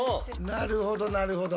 なるほどなるほど。